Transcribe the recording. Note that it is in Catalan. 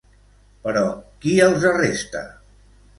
Però, qui els arresta?